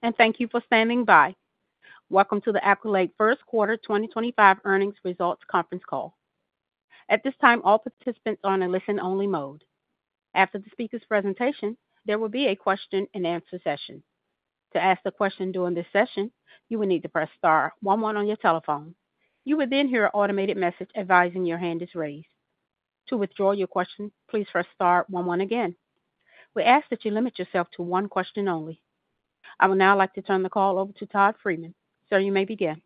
Hello, and thank you for standing by. Welcome to the Accolade first quarter 2025 earnings results conference call. At this time, all participants are on a listen-only mode. After the speaker's presentation, there will be a question-and-answer session. To ask a question during this session, you will need to press star one one on your telephone. You will then hear an automated message advising your hand is raised. To withdraw your question, please press star one one again. We ask that you limit yourself to one question only. I would now like to turn the call over to Todd Friedman. Sir, you may begin.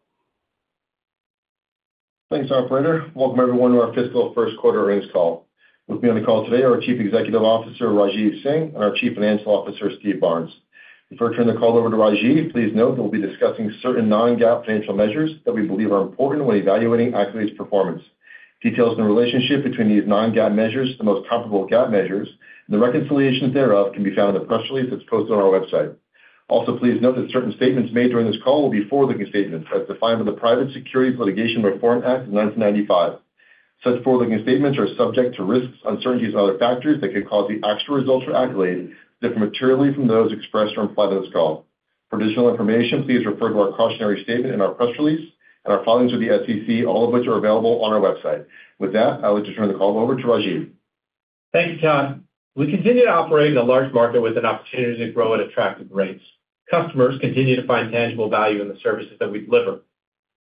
Thanks, Todd Friedman. Welcome, everyone, to our fiscal first quarter earnings call. With me on the call today are our Chief Executive Officer, Rajeev Singh, and our Chief Financial Officer, Steve Barnes. Before I turn the call over to Rajeev, please note that we'll be discussing certain non-GAAP financial measures that we believe are important when evaluating Accolade's performance. Details on the relationship between these non-GAAP measures, the most comparable GAAP measures, and the reconciliation thereof can be found in the press release that's posted on our website. Also, please note that certain statements made during this call will be forward-looking statements, as defined by the Private Securities Litigation Reform Act of 1995. Such forward-looking statements are subject to risks, uncertainties, and other factors that can cause the actual results for Accolade to differ materially from those expressed or implied in this call. For additional information, please refer to our cautionary statement in our press release and our filings with the SEC, all of which are available on our website. With that, I would like to turn the call over to Rajeev. Thank you, Todd. We continue to operate in a large market with an opportunity to grow at attractive rates. Customers continue to find tangible value in the services that we deliver.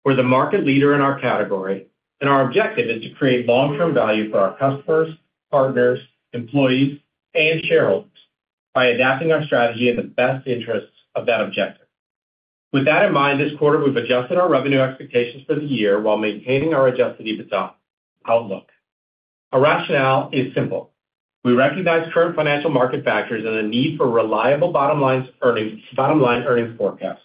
We're the market leader in our category, and our objective is to create long-term value for our customers, partners, employees, and shareholders by adapting our strategy in the best interests of that objective. With that in mind, this quarter, we've adjusted our revenue expectations for the year while maintaining our adjusted EBITDA outlook. Our rationale is simple. We recognize current financial market factors and the need for reliable bottom-line earnings forecasts.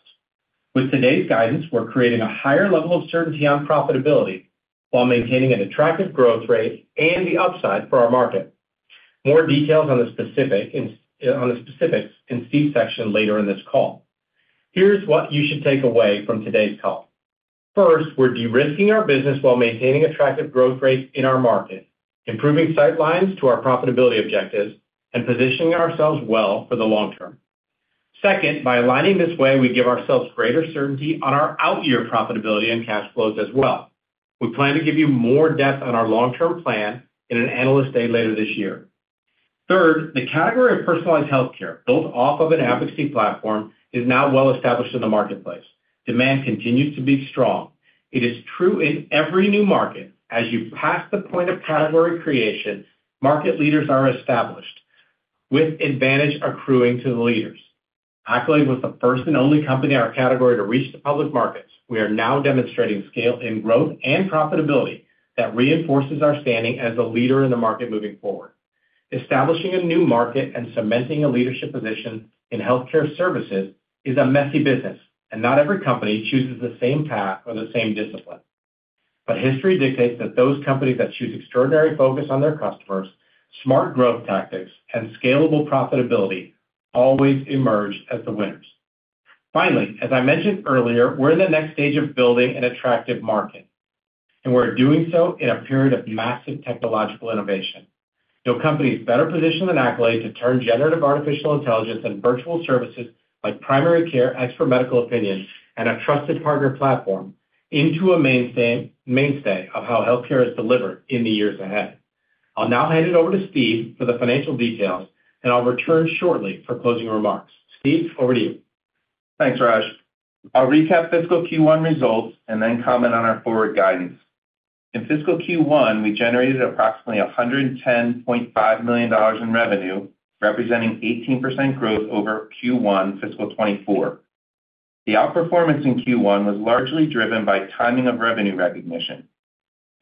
With today's guidance, we're creating a higher level of certainty on profitability while maintaining an attractive growth rate and the upside for our market. More details on the specifics in Steve's section later in this call. Here's what you should take away from today's call. First, we're de-risking our business while maintaining attractive growth rates in our market, improving sightlines to our profitability objectives, and positioning ourselves well for the long term. Second, by aligning this way, we give ourselves greater certainty on our out-year profitability and cash flows as well. We plan to give you more depth on our long-term plan in an analyst day later this year. Third, the category of personalized healthcare, built off of an advocacy platform, is now well established in the marketplace. Demand continues to be strong. It is true in every new market. As you pass the point of category creation, market leaders are established, with advantage accruing to the leaders. Accolade was the first and only company in our category to reach the public markets. We are now demonstrating scale in growth and profitability that reinforces our standing as a leader in the market moving forward. Establishing a new market and cementing a leadership position in healthcare services is a messy business, and not every company chooses the same path or the same discipline. But history dictates that those companies that choose extraordinary focus on their customers, smart growth tactics, and scalable profitability always emerge as the winners. Finally, as I mentioned earlier, we're in the next stage of building an attractive market, and we're doing so in a period of massive technological innovation. No company is better positioned than Accolade to turn generative artificial intelligence and virtual services like primary care, expert medical opinion, and a trusted partner platform into a mainstay of how healthcare is delivered in the years ahead. I'll now hand it over to Steve for the financial details, and I'll return shortly for closing remarks. Steve, over to you. Thanks, Raj. I'll recap Fiscal Q1 results and then comment on our forward guidance. In Fiscal Q1, we generated approximately $110.5 million in revenue, representing 18% growth over Q1 Fiscal 2024. The outperformance in Q1 was largely driven by timing of revenue recognition.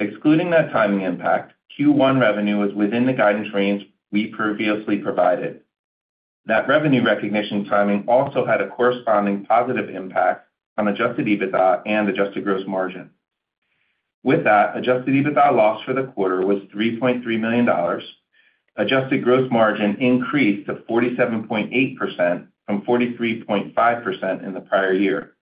Excluding that timing impact, Q1 revenue was within the guidance range we previously provided. That revenue recognition timing also had a corresponding positive impact on Adjusted EBITDA and adjusted gross margin. With that, Adjusted EBITDA loss for the quarter was $3.3 million. Adjusted gross margin increased to 47.8% from 43.5% in the prior year.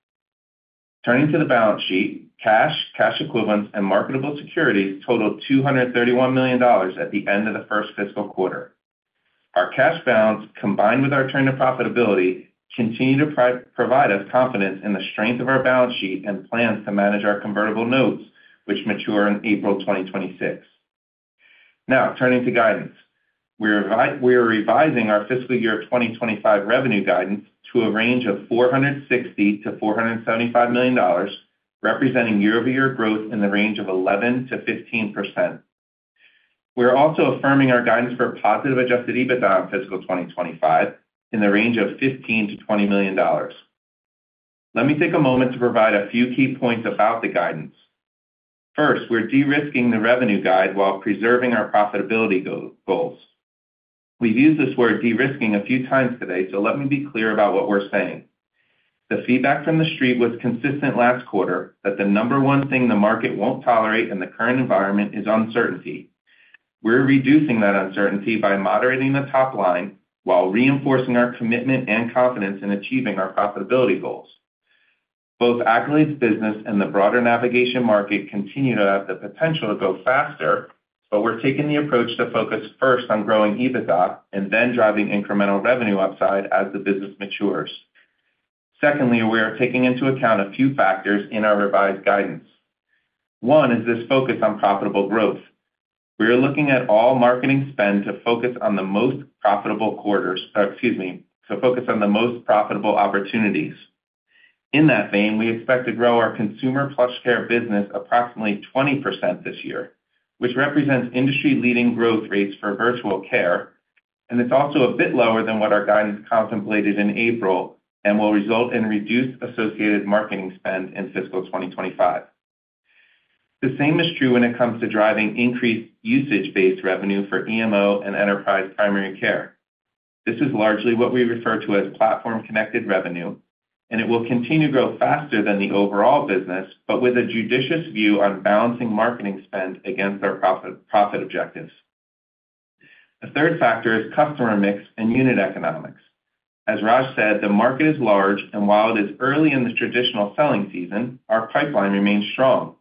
Turning to the balance sheet, cash, cash equivalents, and marketable securities totaled $231 million at the end of the first fiscal quarter. Our cash balance, combined with our turn to profitability, continue to provide us confidence in the strength of our balance sheet and plans to manage our convertible notes, which mature in April 2026. Now, turning to guidance, we are revising our fiscal year 2025 revenue guidance to a range of $460-$475 million, representing year-over-year growth in the range of 11%-15%. We're also affirming our guidance for positive adjusted EBITDA in fiscal 2025 in the range of $15-$20 million. Let me take a moment to provide a few key points about the guidance. First, we're de-risking the revenue guide while preserving our profitability goals. We've used this word de-risking a few times today, so let me be clear about what we're saying. The feedback from the street was consistent last quarter that the number one thing the market won't tolerate in the current environment is uncertainty. We're reducing that uncertainty by moderating the top line while reinforcing our commitment and confidence in achieving our profitability goals. Both Accolade's business and the broader navigation market continue to have the potential to go faster, but we're taking the approach to focus first on growing EBITDA and then driving incremental revenue upside as the business matures. Secondly, we are taking into account a few factors in our revised guidance. One is this focus on profitable growth. We are looking at all marketing spend to focus on the most profitable quarters, excuse me, to focus on the most profitable opportunities. In that vein, we expect to grow our consumer PlushCare business approximately 20% this year, which represents industry-leading growth rates for virtual care, and it's also a bit lower than what our guidance contemplated in April and will result in reduced associated marketing spend in fiscal 2025. The same is true when it comes to driving increased usage-based revenue for EMO and enterprise primary care. This is largely what we refer to as platform-connected revenue, and it will continue to grow faster than the overall business, but with a judicious view on balancing marketing spend against our profit objectives. The third factor is customer mix and unit economics. As Raj said, the market is large, and while it is early in the traditional selling season, our pipeline remains strong.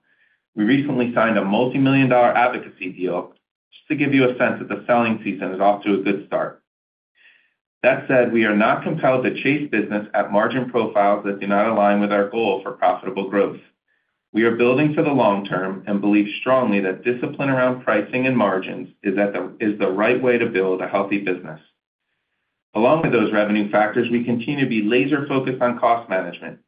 We recently signed a multi-million-dollar advocacy deal, just to give you a sense that the selling season is off to a good start. That said, we are not compelled to chase business at margin profiles that do not align with our goal for profitable growth. We are building for the long term and believe strongly that discipline around pricing and margins is the right way to build a healthy business. Along with those revenue factors, we continue to be laser-focused on cost management.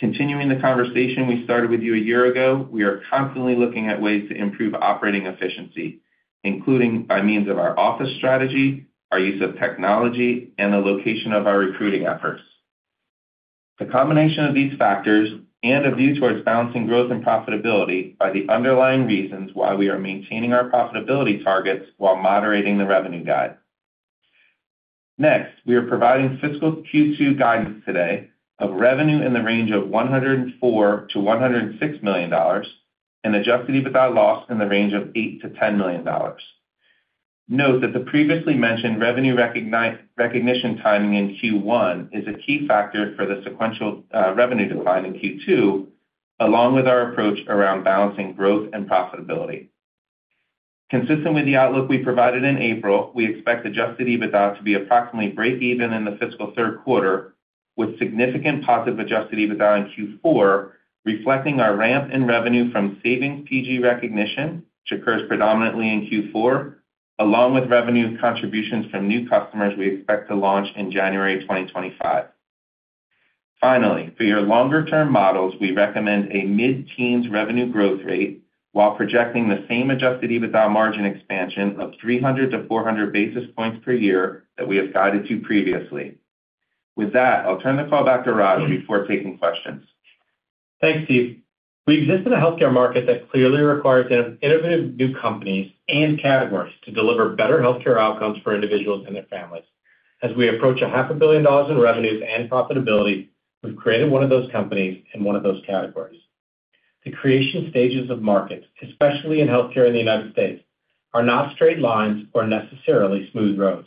Continuing the conversation we started with you a year ago, we are constantly looking at ways to improve operating efficiency, including by means of our office strategy, our use of technology, and the location of our recruiting efforts. The combination of these factors and a view towards balancing growth and profitability are the underlying reasons why we are maintaining our profitability targets while moderating the revenue guide. Next, we are providing fiscal Q2 guidance today of revenue in the range of $104-$106 million and adjusted EBITDA loss in the range of $8-$10 million. Note that the previously mentioned revenue recognition timing in Q1 is a key factor for the sequential revenue decline in Q2, along with our approach around balancing growth and profitability. Consistent with the outlook we provided in April, we expect adjusted EBITDA to be approximately break-even in the fiscal third quarter, with significant positive adjusted EBITDA in Q4 reflecting our ramp in revenue from savings PG recognition, which occurs predominantly in Q4, along with revenue contributions from new customers we expect to launch in January 2025. Finally, for your longer-term models, we recommend a mid-teens revenue growth rate while projecting the same adjusted EBITDA margin expansion of 300-400 basis points per year that we have guided you previously. With that, I'll turn the call back to Raj before taking questions. Thanks, Steve. We exist in a healthcare market that clearly requires innovative new companies and categories to deliver better healthcare outcomes for individuals and their families. As we approach $500 million in revenues and profitability, we've created one of those companies and one of those categories. The creation stages of markets, especially in healthcare in the United States, are not straight lines or necessarily smooth roads.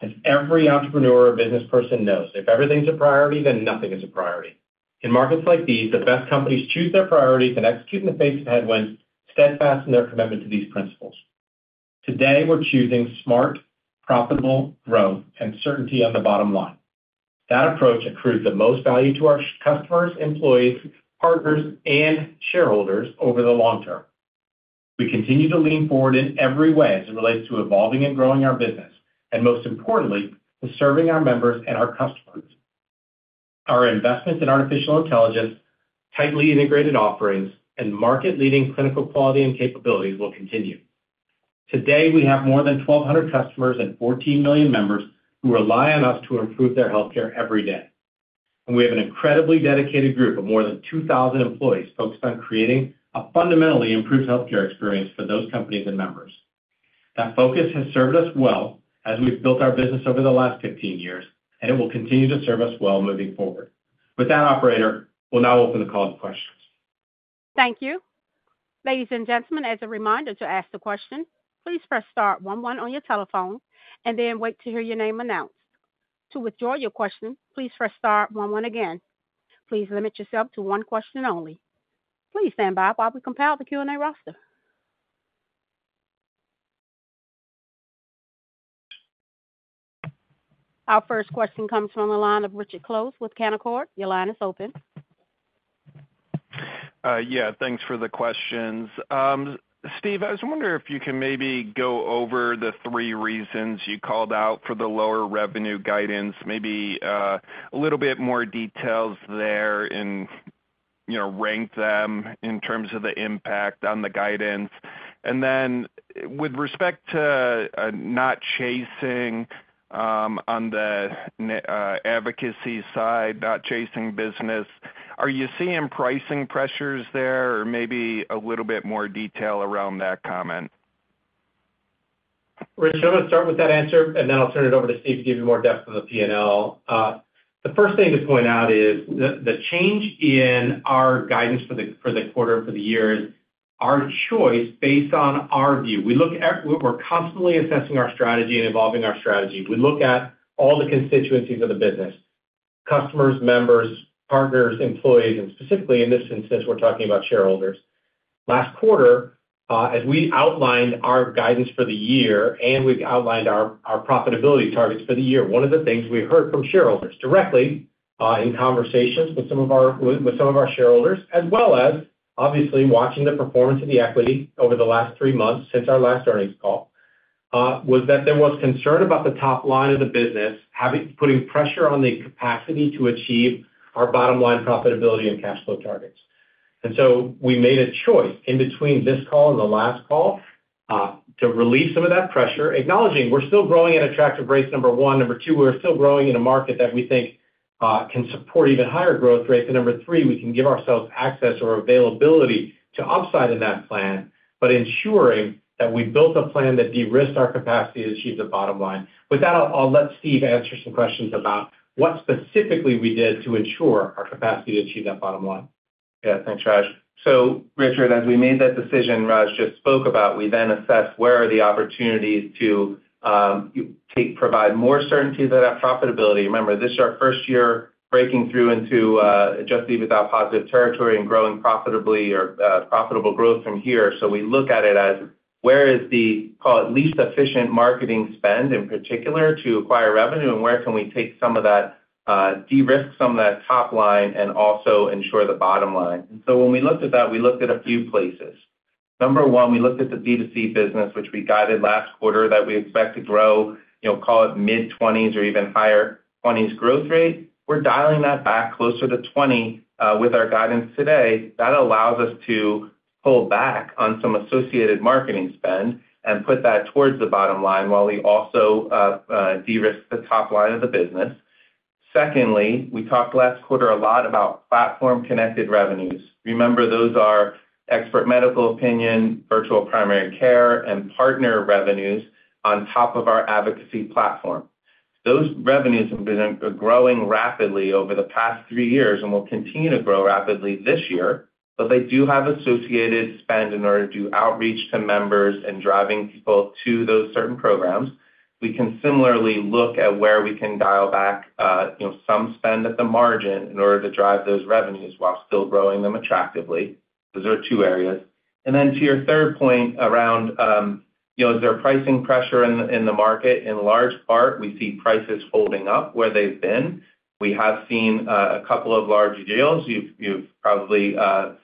As every entrepreneur or business person knows, if everything's a priority, then nothing is a priority. In markets like these, the best companies choose their priorities and execute in the face of headwinds, steadfast in their commitment to these principles. Today, we're choosing smart, profitable growth and certainty on the bottom line. That approach accrues the most value to our customers, employees, partners, and shareholders over the long term. We continue to lean forward in every way as it relates to evolving and growing our business, and most importantly, to serving our members and our customers. Our investments in artificial intelligence, tightly integrated offerings, and market-leading clinical quality and capabilities will continue. Today, we have more than 1,200 customers and 14 million members who rely on us to improve their healthcare every day. And we have an incredibly dedicated group of more than 2,000 employees focused on creating a fundamentally improved healthcare experience for those companies and members. That focus has served us well as we've built our business over the last 15 years, and it will continue to serve us well moving forward. With that, Operator, we'll now open the call to questions. Thank you. Ladies and gentlemen, as a reminder to ask the question, please press star one one on your telephone and then wait to hear your name announced. To withdraw your question, please press star one one again. Please limit yourself to one question only. Please stand by while we compile the Q&A roster. Our first question comes from the line of Richard Close with Canaccord. Your line is open. Yeah, thanks for the questions. Steve, I was wondering if you can maybe go over the three reasons you called out for the lower revenue guidance, maybe a little bit more details there and rank them in terms of the impact on the guidance. And then with respect to not chasing on the advocacy side, not chasing business, are you seeing pricing pressures there or maybe a little bit more detail around that comment? Richard, I'm going to start with that answer, and then I'll turn it over to Steve to give you more depth of the P&L. The first thing to point out is the change in our guidance for the quarter and for the year is our choice based on our view. We're constantly assessing our strategy and evolving our strategy. We look at all the constituencies of the business: customers, members, partners, employees, and specifically in this instance, we're talking about shareholders. Last quarter, as we outlined our guidance for the year and we've outlined our profitability targets for the year, one of the things we heard from shareholders directly in conversations with some of our shareholders, as well as obviously watching the performance of the equity over the last three months since our last earnings call, was that there was concern about the top line of the business putting pressure on the capacity to achieve our bottom line profitability and cash flow targets. And so we made a choice in between this call and the last call to relieve some of that pressure, acknowledging we're still growing at attractive rates, number one. Number two, we're still growing in a market that we think can support even higher growth rates. And number three, we can give ourselves access or availability to upside in that plan, but ensuring that we built a plan that de-risked our capacity to achieve the bottom line. With that, I'll let Steve answer some questions about what specifically we did to ensure our capacity to achieve that bottom line. Yeah, thanks, Raj. So Richard, as we made that decision, Raj just spoke about, we then assessed where are the opportunities to provide more certainty to that profitability. Remember, this is our first year breaking through into Adjusted EBITDA positive territory and growing profitably or profitable growth from here. So we look at it as where is the, call it least efficient marketing spend in particular to acquire revenue, and where can we take some of that, de-risk some of that top line and also ensure the bottom line. And so when we looked at that, we looked at a few places. Number one, we looked at the B2C business, which we guided last quarter that we expect to grow, call it mid-20s or even higher 20s growth rate. We're dialing that back closer to 20 with our guidance today. That allows us to pull back on some associated marketing spend and put that towards the bottom line while we also de-risk the top line of the business. Secondly, we talked last quarter a lot about platform-connected revenues. Remember, those are Expert Medical Opinion, Virtual Primary Care, and partner revenues on top of our advocacy platform. Those revenues have been growing rapidly over the past three years and will continue to grow rapidly this year, but they do have associated spend in order to do outreach to members and driving people to those certain programs. We can similarly look at where we can dial back some spend at the margin in order to drive those revenues while still growing them attractively. Those are two areas. And then to your third point around is there pricing pressure in the market? In large part, we see prices holding up where they've been. We have seen a couple of large deals. You've probably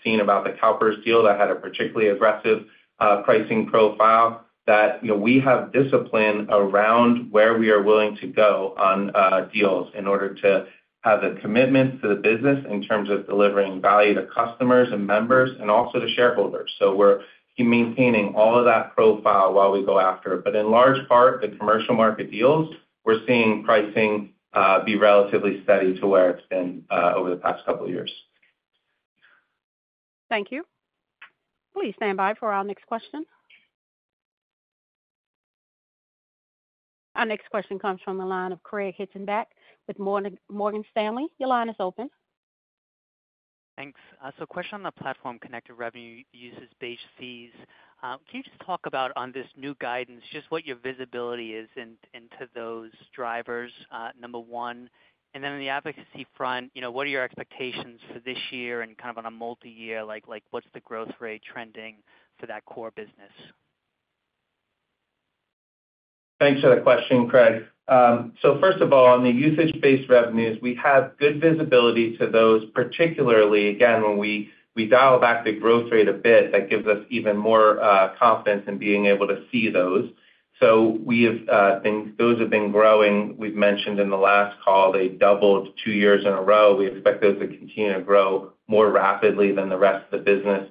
seen about the CalPERS deal that had a particularly aggressive pricing profile that we have discipline around where we are willing to go on deals in order to have a commitment to the business in terms of delivering value to customers and members and also to shareholders. So we're maintaining all of that profile while we go after it. But in large part, the commercial market deals, we're seeing pricing be relatively steady to where it's been over the past couple of years. Thank you. Please stand by for our next question. Our next question comes from the line of Craig Hettenbach with Morgan Stanley. Your line is open. Thanks. So a question on the platform-connected revenue uses base fees. Can you just talk about on this new guidance, just what your visibility is into those drivers, number one? And then on the advocacy front, what are your expectations for this year and kind of on a multi-year? What's the growth rate trending for that core business? Thanks for the question, Craig. So first of all, on the usage-based revenues, we have good visibility to those, particularly, again, when we dial back the growth rate a bit, that gives us even more confidence in being able to see those. So those have been growing. We've mentioned in the last call, they doubled two years in a row. We expect those to continue to grow more rapidly than the rest of the business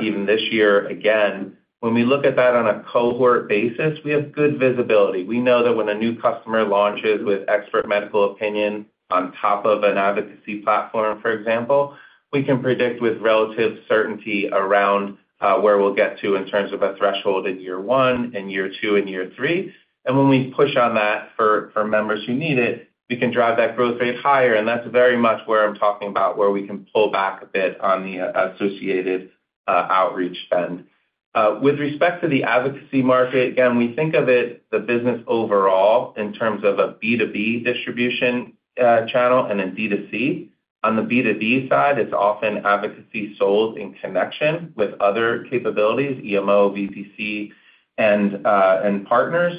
even this year. Again, when we look at that on a cohort basis, we have good visibility. We know that when a new customer launches with expert medical opinion on top of an advocacy platform, for example, we can predict with relative certainty around where we'll get to in terms of a threshold in year one and year two and year three. When we push on that for members who need it, we can drive that growth rate higher. That's very much where I'm talking about where we can pull back a bit on the associated outreach spend. With respect to the advocacy market, again, we think of it, the business overall, in terms of a B2B distribution channel and a D2C. On the B2B side, it's often advocacy sold in connection with other capabilities, EMO, VPC, and partners.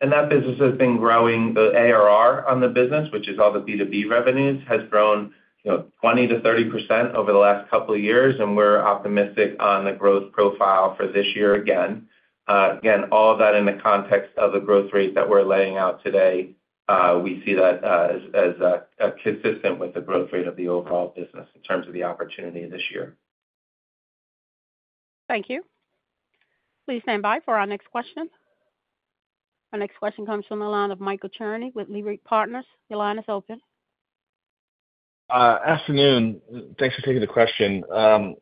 That business has been growing. The ARR on the business, which is all the B2B revenues, has grown 20%-30% over the last couple of years, and we're optimistic on the growth profile for this year again. Again, all of that in the context of the growth rate that we're laying out today, we see that as consistent with the growth rate of the overall business in terms of the opportunity this year. Thank you. Please stand by for our next question. Our next question comes from the line of Michael Cherny with Leerink Partners. Your line is open. Afternoon. Thanks for taking the question. I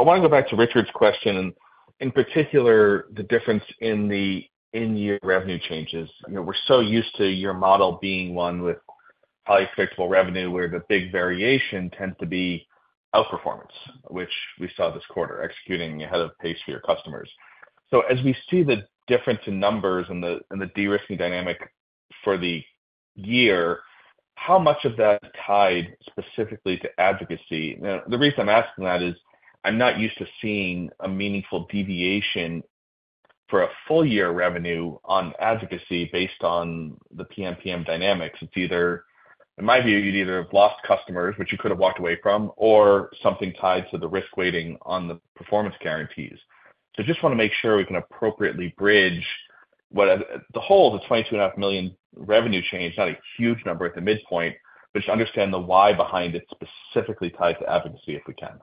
want to go back to Richard's question and in particular, the difference in the in-year revenue changes. We're so used to your model being one with highly predictable revenue where the big variation tends to be outperformance, which we saw this quarter, executing ahead of pace for your customers. So as we see the difference in numbers and the de-risking dynamic for the year, how much of that tied specifically to advocacy? The reason I'm asking that is I'm not used to seeing a meaningful deviation for a full-year revenue on advocacy based on the PMPM dynamics. It's either, in my view, you'd either have lost customers, which you could have walked away from, or something tied to the risk weighting on the performance guarantees. I just want to make sure we can appropriately bridge the whole of the $22.5 million revenue change, not a huge number at the midpoint, but just understand the why behind it specifically tied to advocacy if we can.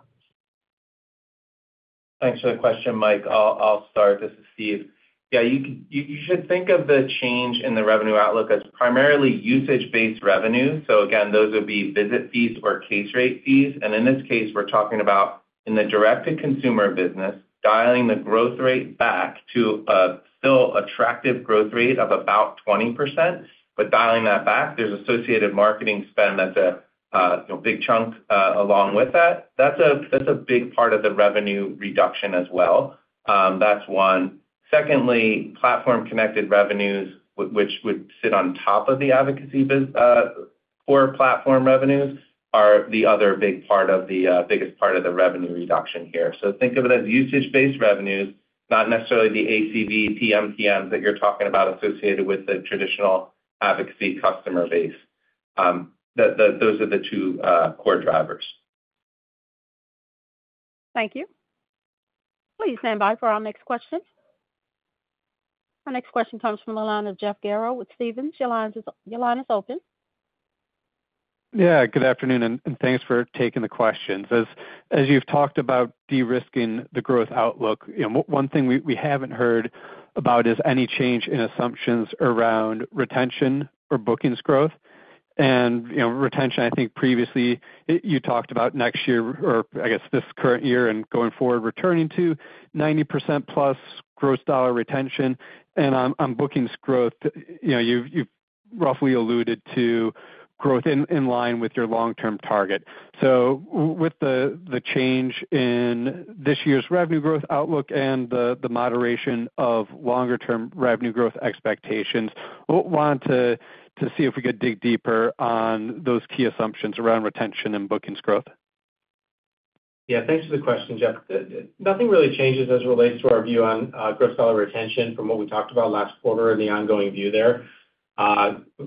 Thanks for the question, Mike. I'll start. This is Steve. Yeah, you should think of the change in the revenue outlook as primarily usage-based revenue. So again, those would be visit fees or case rate fees. And in this case, we're talking about in the direct-to-consumer business, dialing the growth rate back to a still attractive growth rate of about 20%. But dialing that back, there's associated marketing spend that's a big chunk along with that. That's a big part of the revenue reduction as well. That's one. Secondly, platform-connected revenues, which would sit on top of the advocacy core platform revenues, are the other big part of the biggest part of the revenue reduction here. So think of it as usage-based revenues, not necessarily the ACV, PMPMs that you're talking about associated with the traditional advocacy customer base. Those are the two core drivers. Thank you. Please stand by for our next question. Our next question comes from the line of Jeff Garro with Stephens. Your line is open. Yeah, good afternoon, and thanks for taking the questions. As you've talked about de-risking the growth outlook, one thing we haven't heard about is any change in assumptions around retention or Bookings growth. And retention, I think previously you talked about next year or, I guess, this current year and going forward returning to 90%+ Gross dollar retention. And on Bookings growth, you've roughly alluded to growth in line with your long-term target. So with the change in this year's revenue growth outlook and the moderation of longer-term revenue growth expectations, I want to see if we could dig deeper on those key assumptions around retention and Bookings growth. Yeah, thanks for the question, Jeff. Nothing really changes as it relates to our view on gross dollar retention from what we talked about last quarter and the ongoing view there.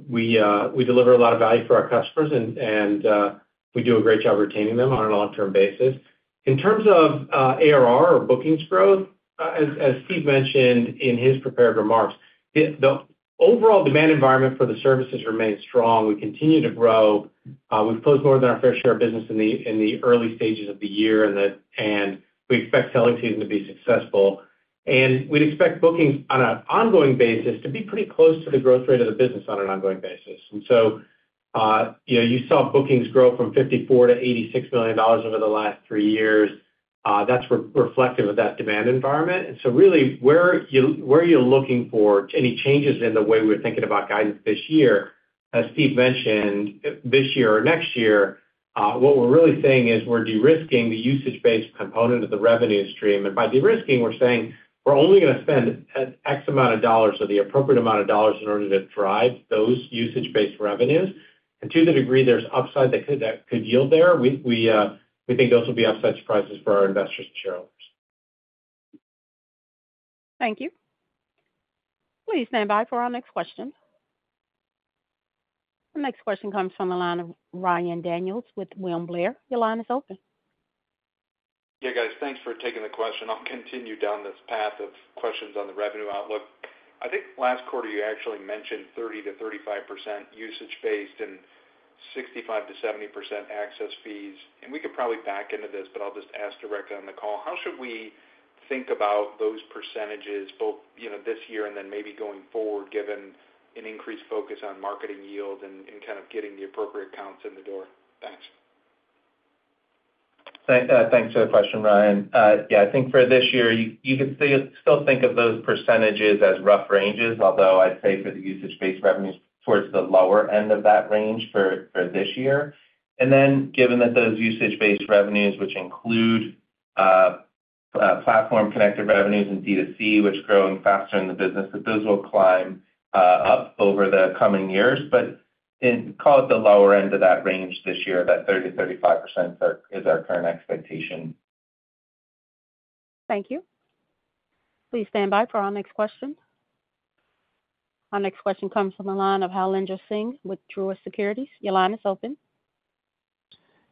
We deliver a lot of value for our customers, and we do a great job retaining them on a long-term basis. In terms of ARR or bookings growth, as Steve mentioned in his prepared remarks, the overall demand environment for the services remains strong. We continue to grow. We've closed more than our fair share of business in the early stages of the year, and we expect selling season to be successful. And we'd expect bookings on an ongoing basis to be pretty close to the growth rate of the business on an ongoing basis. And so you saw bookings grow from $54 million-$86 million over the last three years. That's reflective of that demand environment. So really, where are you looking for any changes in the way we're thinking about guidance this year? As Steve mentioned, this year or next year, what we're really saying is we're de-risking the usage-based component of the revenue stream. By de-risking, we're saying we're only going to spend an X amount of dollars or the appropriate amount of dollars in order to drive those usage-based revenues. To the degree there's upside that could yield there, we think those will be upside surprises for our investors and shareholders. Thank you. Please stand by for our next question. Our next question comes from the line of Ryan Daniels with William Blair. Your line is open. Yeah, guys, thanks for taking the question. I'll continue down this path of questions on the revenue outlook. I think last quarter you actually mentioned 30%-35% usage-based and 65%-70% access fees. And we could probably back into this, but I'll just ask directly on the call. How should we think about those percentages both this year and then maybe going forward, given an increased focus on marketing yield and kind of getting the appropriate counts in the door? Thanks. Thanks for the question, Ryan. Yeah, I think for this year, you could still think of those percentages as rough ranges, although I'd say for the usage-based revenues, towards the lower end of that range for this year. And then given that those usage-based revenues, which include platform-connected revenues and D2C, which are growing faster in the business, that those will climb up over the coming years. But call it the lower end of that range this year, that 30%-35% is our current expectation. Thank you. Please stand by for our next question. Our next question comes from the line of Jailendra Singh with Truist Securities. Your line is open.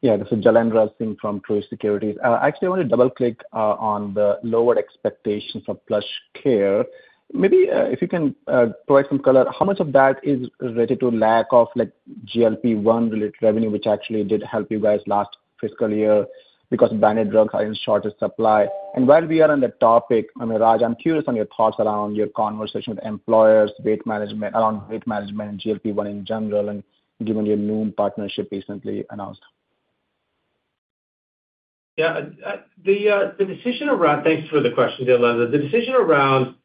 Yeah, this is Jailendra Singh from Truist Securities. Actually, I want to double-click on the lowered expectations for PlushCare. Maybe if you can provide some color, how much of that is related to lack of GLP-1 related revenue, which actually did help you guys last fiscal year because branded drugs are in shorter supply? And while we are on the topic, Raj, I'm curious on your thoughts around your conversation with employers, weight management, around weight management and GLP-1 in general, and given your new partnership recently announced. Yeah, the decision around thanks for the question, Jailendra. The decision around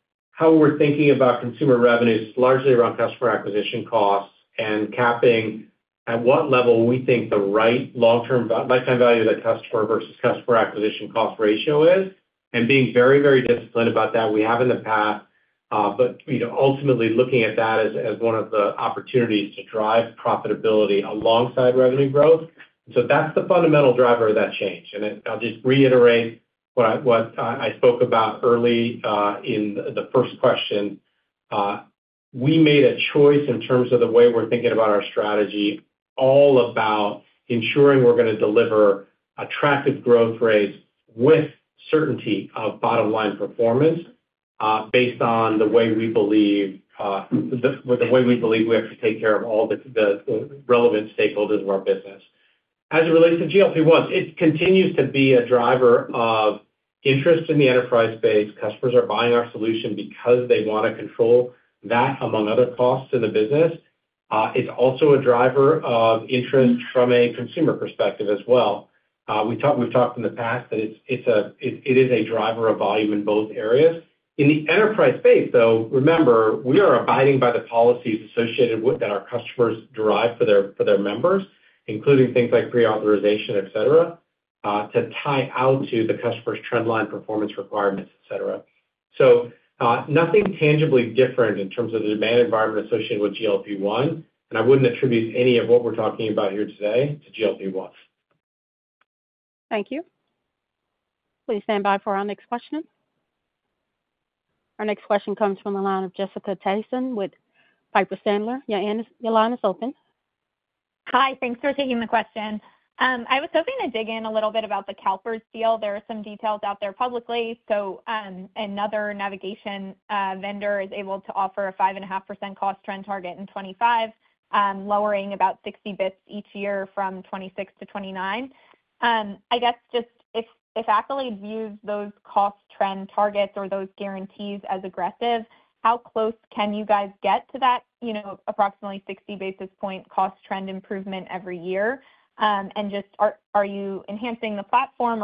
how we're thinking about consumer revenues is largely around customer acquisition costs and capping at what level we think the right long-term lifetime value of the customer vs customer acquisition cost ratio is. And being very, very disciplined about that, we have in the past, but ultimately looking at that as one of the opportunities to drive profitability alongside revenue growth. And so that's the fundamental driver of that change. And I'll just reiterate what I spoke about early in the first question. We made a choice in terms of the way we're thinking about our strategy all about ensuring we're going to deliver attractive growth rates with certainty of bottom-line performance based on the way we believe we have to take care of all the relevant stakeholders of our business. As it relates to GLP-1, it continues to be a driver of interest in the enterprise space. Customers are buying our solution because they want to control that, among other costs in the business. It's also a driver of interest from a consumer perspective as well. We've talked in the past that it is a driver of volume in both areas. In the enterprise space, though, remember, we are abiding by the policies associated with that our customers derive for their members, including things like pre-authorization, etc., to tie out to the customer's trendline performance requirements, etc. So nothing tangibly different in terms of the demand environment associated with GLP-1, and I wouldn't attribute any of what we're talking about here today to GLP-1. Thank you. Please stand by for our next question. Our next question comes from the line of Jessica Tassan with Piper Sandler. Your line is open. Hi, thanks for taking the question. I was hoping to dig in a little bit about the CalPERS deal. There are some details out there publicly. So another navigation vendor is able to offer a 5.5% cost trend target in 2025, lowering about 60 basis points each year from 2026 to 2029. I guess just if Accolade views those cost trend targets or those guarantees as aggressive, how close can you guys get to that approximately 60 basis points cost trend improvement every year? And just are you enhancing the platform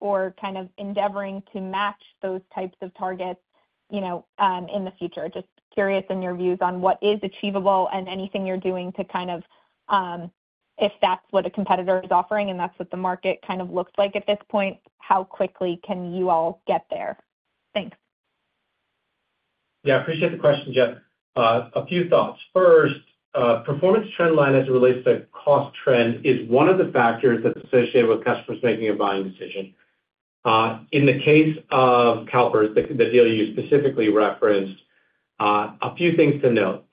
or kind of endeavoring to match those types of targets in the future? Just curious in your views on what is achievable and anything you're doing to kind of, if that's what a competitor is offering and that's what the market kind of looks like at this point, how quickly can you all get there? Thanks. Yeah, I appreciate the question, Jeff. A few thoughts. First, performance trendline as it relates to cost trend is one of the factors that's associated with customers making a buying decision. In the case of CalPERS, the deal you specifically referenced, a few things to note.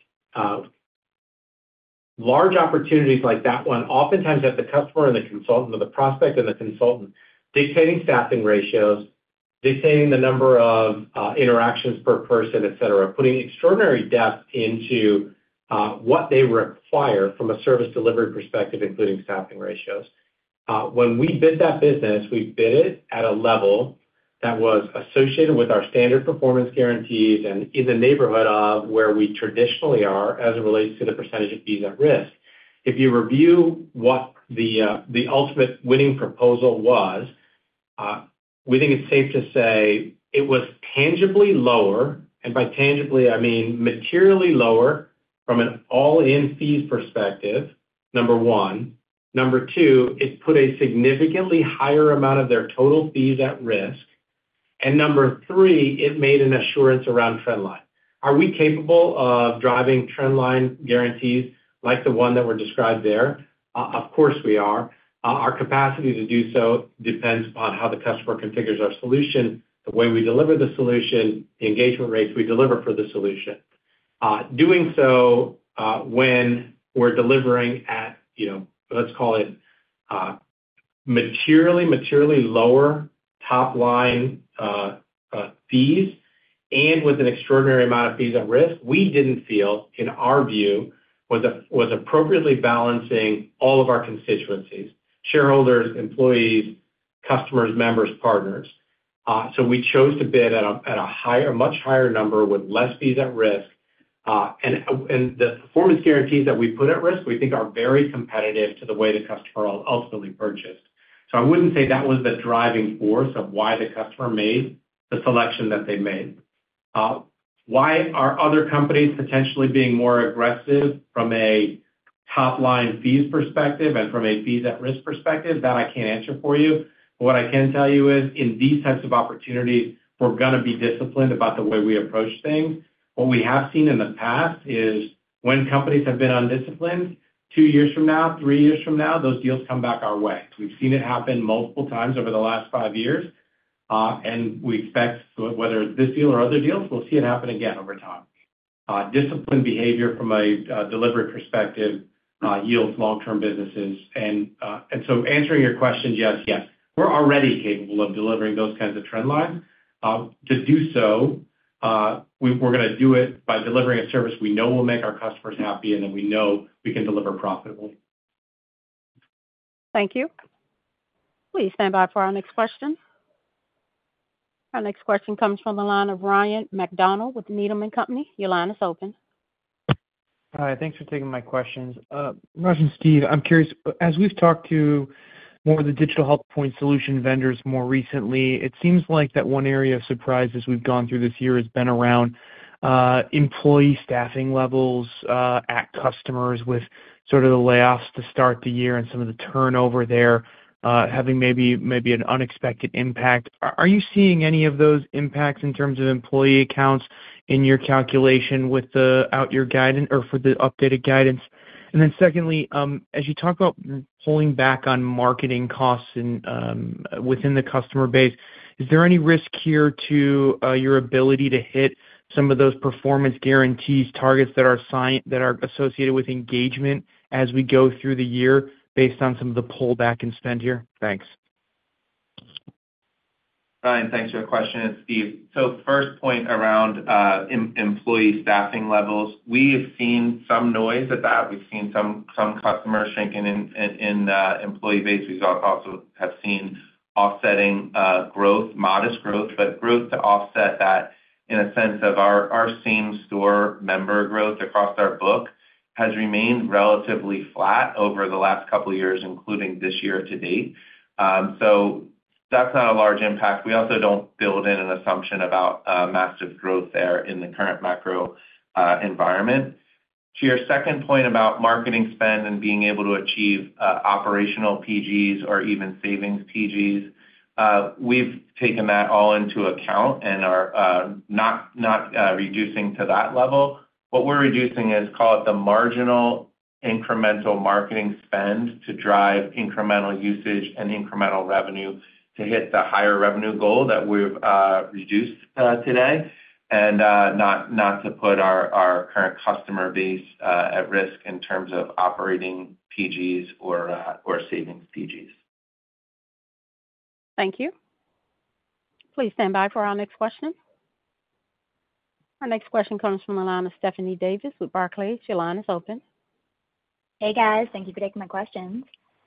Large opportunities like that one oftentimes have the customer and the consultant or the prospect and the consultant dictating staffing ratios, dictating the number of interactions per person, etc., putting extraordinary depth into what they require from a service delivery perspective, including staffing ratios. When we bid that business, we bid it at a level that was associated with our standard performance guarantees and in the neighborhood of where we traditionally are as it relates to the percentage of fees at risk. If you review what the ultimate winning proposal was, we think it's safe to say it was tangibly lower, and by tangibly, I mean materially lower from an all-in fees perspective, number one. Number two, it put a significantly higher amount of their total fees at risk. Number three, it made an assurance around trendline. Are we capable of driving trendline guarantees like the one that were described there? Of course, we are. Our capacity to do so depends upon how the customer configures our solution, the way we deliver the solution, the engagement rates we deliver for the solution. Doing so when we're delivering at, let's call it, materially, materially lower top-line fees and with an extraordinary amount of fees at risk, we didn't feel, in our view, was appropriately balancing all of our constituencies: shareholders, employees, customers, members, partners. So we chose to bid at a much higher number with less fees at risk. And the performance guarantees that we put at risk, we think, are very competitive to the way the customer ultimately purchased. So I wouldn't say that was the driving force of why the customer made the selection that they made. Why are other companies potentially being more aggressive from a top-line fees perspective and from a fees at risk perspective? That I can't answer for you. But what I can tell you is in these types of opportunities, we're going to be disciplined about the way we approach things. What we have seen in the past is when companies have been undisciplined, two years from now, three years from now, those deals come back our way. We've seen it happen multiple times over the last five years. And we expect whether it's this deal or other deals, we'll see it happen again over time. Disciplined behavior from a delivery perspective yields long-term businesses. And so answering your question, yes, yes. We're already capable of delivering those kinds of trendlines. To do so, we're going to do it by delivering a service we know will make our customers happy and that we know we can deliver profitably. Thank you. Please stand by for our next question. Our next question comes from the line of Ryan McDonald with Needham & Company. Your line is open. Hi, thanks for taking my questions. Raj and Steve, I'm curious, as we've talked to more of the digital health point solution vendors more recently, it seems like that one area of surprise as we've gone through this year has been around employee staffing levels at customers with sort of the layoffs to start the year and some of the turnover there having maybe an unexpected impact. Are you seeing any of those impacts in terms of employee accounts in your calculation without your guidance or for the updated guidance? And then secondly, as you talk about pulling back on marketing costs within the customer base, is there any risk here to your ability to hit some of those performance guarantees targets that are associated with engagement as we go through the year based on some of the pullback and spend here? Thanks. Ryan, thanks for the question. It's Steve. So first point around employee staffing levels, we have seen some noise at that. We've seen some customers shrinking in employee base. We also have seen offsetting growth, modest growth, but growth to offset that in a sense of our same store member growth across our book has remained relatively flat over the last couple of years, including this year to date. So that's not a large impact. We also don't build in an assumption about massive growth there in the current macro environment. To your second point about marketing spend and being able to achieve operational PGs or even savings PGs, we've taken that all into account and are not reducing to that level. What we're reducing is, call it the marginal incremental marketing spend to drive incremental usage and incremental revenue to hit the higher revenue goal that we've reduced today, and not to put our current customer base at risk in terms of operating PGs or savings PGs. Thank you. Please stand by for our next question. Our next question comes from the line of Stephanie Davis with Barclays. Your line is open. Hey, guys. Thank you for taking my questions.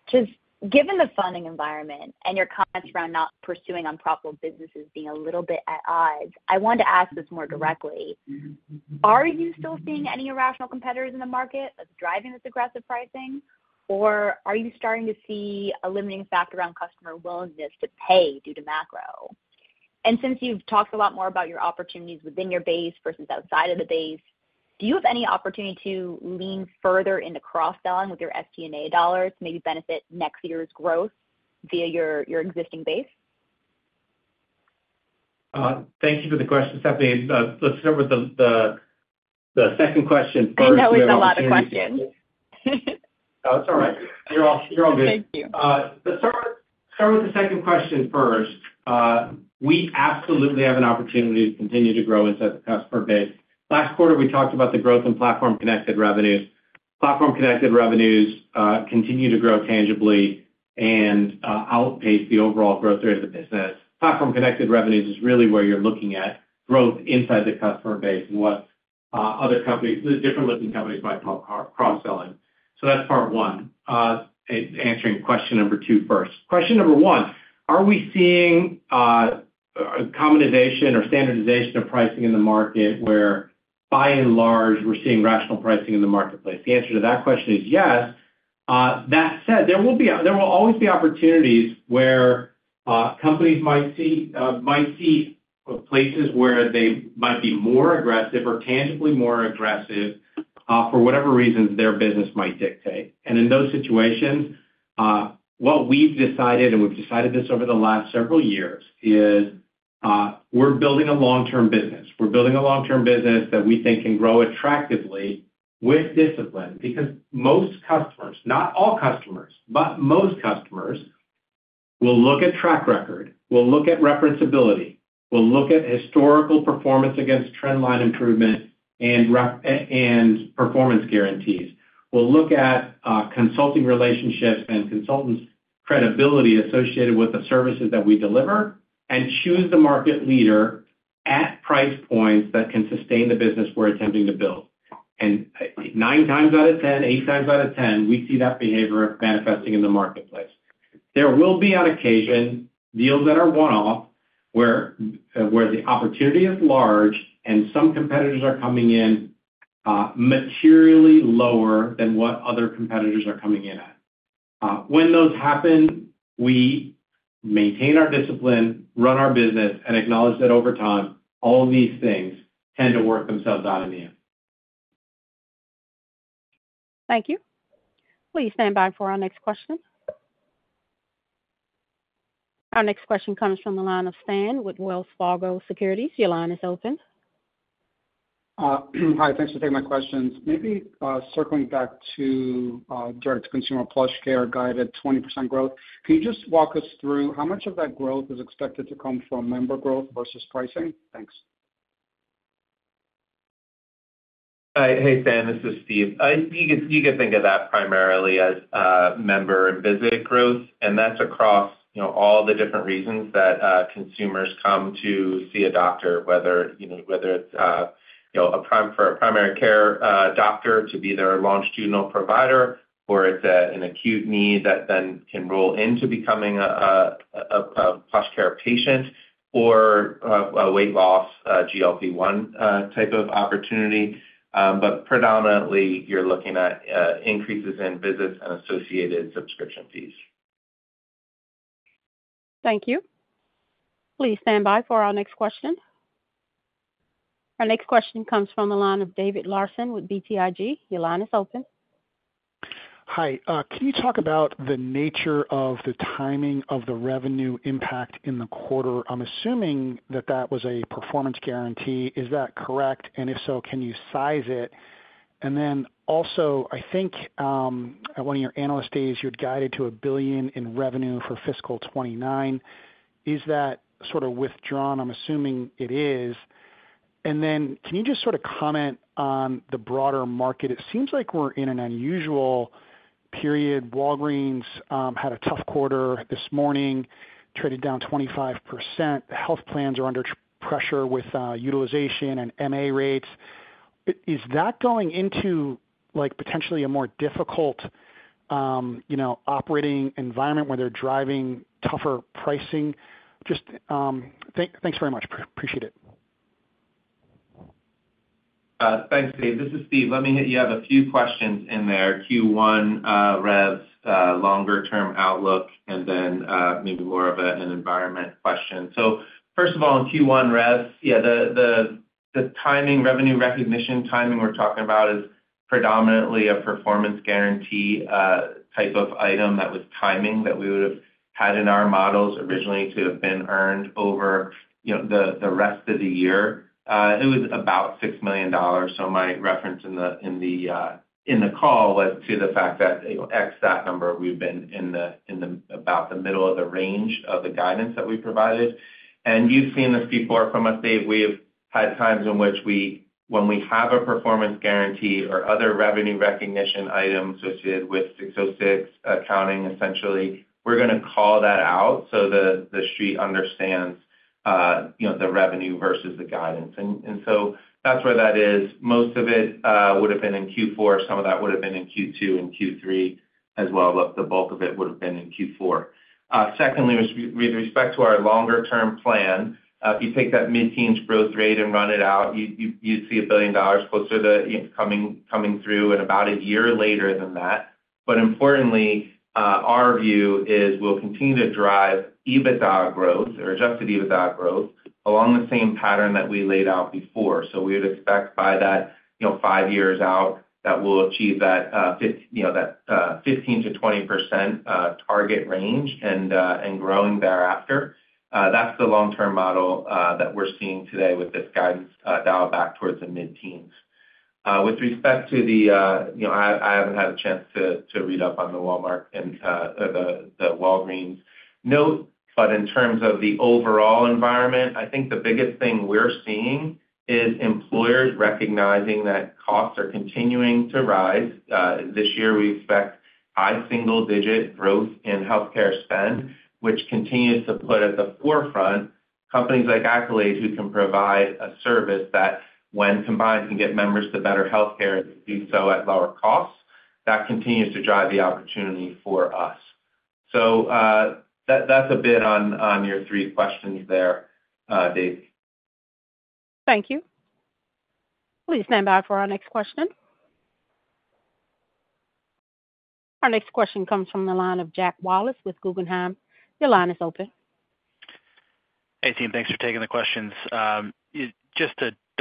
Just given the funding environment and your comments around not pursuing unprofitable businesses being a little bit at odds, I wanted to ask this more directly. Are you still seeing any irrational competitors in the market that's driving this aggressive pricing, or are you starting to see a limiting factor around customer willingness to pay due to macro? And since you've talked a lot more about your opportunities within your base vs outside of the base, do you have any opportunity to lean further into cross-selling with your SG&A dollars to maybe benefit next year's growth via your existing base? Thank you for the question, Stephanie. Let's start with the second question first. I know we have a lot of questions. Oh, it's all right. You're all good. Thank you. Let's start with the second question first. We absolutely have an opportunity to continue to grow inside the customer base. Last quarter, we talked about the growth in platform-connected revenues. Platform-connected revenues continue to grow tangibly and outpace the overall growth rate of the business. Platform-connected revenues is really where you're looking at growth inside the customer base and what other companies, different-looking companies might call cross-selling. So that's part one. Answering question number two first. Question number one, are we seeing a commonization or standardization of pricing in the market where, by and large, we're seeing rational pricing in the marketplace? The answer to that question is yes. That said, there will always be opportunities where companies might see places where they might be more aggressive or tangibly more aggressive for whatever reasons their business might dictate. In those situations, what we've decided, and we've decided this over the last several years, is we're building a long-term business. We're building a long-term business that we think can grow attractively with discipline because most customers, not all customers, but most customers will look at track record, will look at referenceability, will look at historical performance against trendline improvement and performance guarantees. We'll look at consulting relationships and consultants' credibility associated with the services that we deliver and choose the market leader at price points that can sustain the business we're attempting to build. Nine times out of 10, eight times out of 10, we see that behavior manifesting in the marketplace. There will be on occasion deals that are one-off where the opportunity is large and some competitors are coming in materially lower than what other competitors are coming in at. When those happen, we maintain our discipline, run our business, and acknowledge that over time, all of these things tend to work themselves out in the end. Thank you. Please stand by for our next question. Our next question comes from the line of Stan Berenshteyn with Wells Fargo Securities. Your line is open. Hi. Thanks for taking my questions. Maybe circling back to direct-to-consumer PlushCare guided 20% growth, can you just walk us through how much of that growth is expected to come from member growth vs pricing? Thanks. Hi, hey, Stan. This is Steve. You could think of that primarily as member and visit growth, and that's across all the different reasons that consumers come to see a doctor, whether it's for a primary care doctor to be their longitudinal provider or it's an acute need that then can roll into becoming a PlushCare patient or a weight loss GLP-1 type of opportunity. But predominantly, you're looking at increases in visits and associated subscription fees. Thank you. Please stand by for our next question. Our next question comes from the line of David Larsen with BTIG. Your line is open. Hi. Can you talk about the nature of the timing of the revenue impact in the quarter? I'm assuming that that was a performance guarantee. Is that correct? And if so, can you size it? And then also, I think at one of your analyst days, you had guided to $1 billion in revenue for fiscal 2029. Is that sort of withdrawn? I'm assuming it is. And then can you just sort of comment on the broader market? It seems like we're in an unusual period. Walgreens had a tough quarter this morning, traded down 25%. Health plans are under pressure with utilization and MA rates. Is that going into potentially a more difficult operating environment where they're driving tougher pricing? Just thanks very much. Appreciate it. Thanks, [Dave]. This is Steve. Let me hit you up a few questions in there. Q1 revs, longer-term outlook, and then maybe more of an environment question. So first of all, Q1 revs, yeah, the timing, revenue recognition timing we're talking about is predominantly a performance guarantee type of item that was timing that we would have had in our models originally to have been earned over the rest of the year. It was about $6 million. So my reference in the call was to the fact that X, that number, we've been in about the middle of the range of the guidance that we provided. And you've seen this before from us, Dave. We've had times in which when we have a performance guarantee or other revenue recognition item associated with 606 accounting, essentially, we're going to call that out so the street understands the revenue vs the guidance. So that's where that is. Most of it would have been in Q4. Some of that would have been in Q2 and Q3 as well. But the bulk of it would have been in Q4. Secondly, with respect to our longer-term plan, if you take that mid-teens growth rate and run it out, you'd see $1 billion closer to coming through in about a year later than that. But importantly, our view is we'll continue to drive EBITDA growth or adjusted EBITDA growth along the same pattern that we laid out before. So we would expect by that five years out that we'll achieve that 15%-20% target range and growing thereafter. That's the long-term model that we're seeing today with this guidance dialed back towards the mid-teens. With respect to the I haven't had a chance to read up on the Walmart and the Walgreens. No. But in terms of the overall environment, I think the biggest thing we're seeing is employers recognizing that costs are continuing to rise. This year, we expect high single-digit growth in healthcare spend, which continues to put at the forefront companies like Accolade who can provide a service that when combined can get members to better healthcare and do so at lower costs. That continues to drive the opportunity for us. So that's a bit on your three questions there, Dave. Thank you. Please stand by for our next question. Our next question comes from the line of Jack Wallace with Guggenheim. Your line is open. Hey, Steve. Thanks for taking the questions.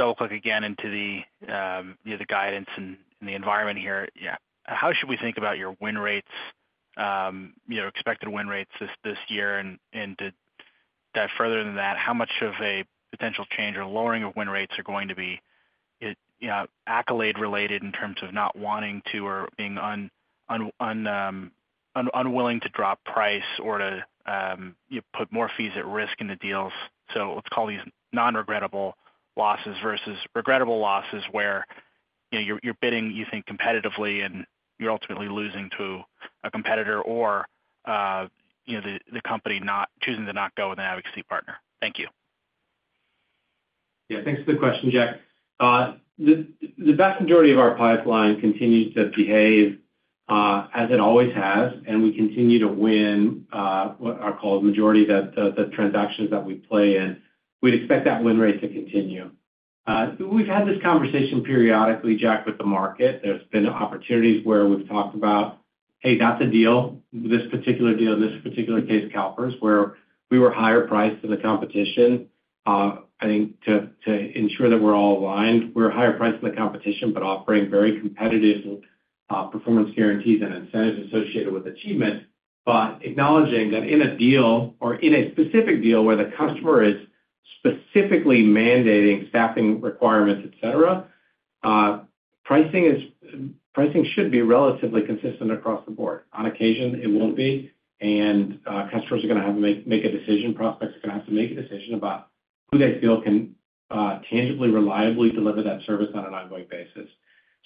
Just to double-click again into the guidance and the environment here, how should we think about your win rates, expected win rates this year? And to dive further than that, how much of a potential change or lowering of win rates are going to be Accolade-related in terms of not wanting to or being unwilling to drop price or to put more fees at risk in the deals? So let's call these non-regrettable losses vs regrettable losses where you're bidding, you think, competitively and you're ultimately losing to a competitor or the company choosing to not go with an advocacy partner. Thank you. Yeah. Thanks for the question, Jack. The vast majority of our pipeline continues to behave as it always has, and we continue to win what are called majority of the transactions that we play in. We'd expect that win rate to continue. We've had this conversation periodically, Jack, with the market. There's been opportunities where we've talked about, "Hey, that's a deal, this particular deal, this particular case, CalPERS," where we were higher priced than the competition, I think, to ensure that we're all aligned. We're higher priced than the competition, but offering very competitive performance guarantees and incentives associated with achievement, but acknowledging that in a deal or in a specific deal where the customer is specifically mandating staffing requirements, etc., pricing should be relatively consistent across the board. On occasion, it won't be, and customers are going to have to make a decision. Prospects are going to have to make a decision about who they feel can tangibly, reliably deliver that service on an ongoing basis.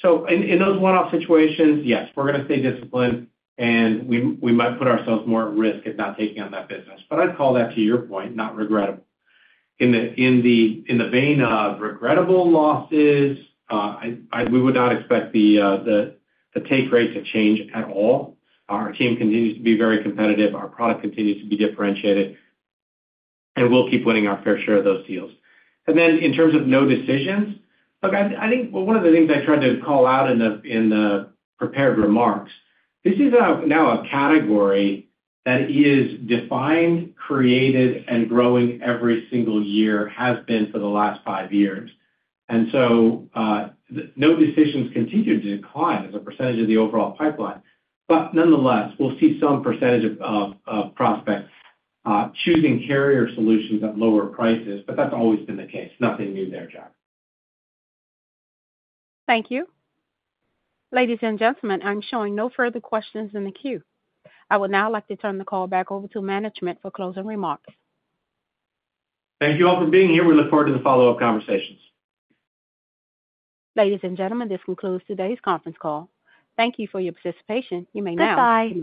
So in those one-off situations, yes, we're going to stay disciplined, and we might put ourselves more at risk at not taking on that business. But I'd call that, to your point, not regrettable. In the vein of regrettable losses, we would not expect the take rate to change at all. Our team continues to be very competitive. Our product continues to be differentiated, and we'll keep winning our fair share of those deals. And then in terms of no decisions, look, I think one of the things I tried to call out in the prepared remarks, this is now a category that is defined, created, and growing every single year, has been for the last five years. And so no decisions continue to decline as a percentage of the overall pipeline. But nonetheless, we'll see some percentage of prospects choosing carrier solutions at lower prices, but that's always been the case. Nothing new there, Jack. Thank you. Ladies and gentlemen, I'm showing no further questions in the queue. I would now like to turn the call back over to management for closing remarks. Thank you all for being here. We look forward to the follow-up conversations. Ladies and gentlemen, this concludes today's conference call. Thank you for your participation. You may now. Goodbye.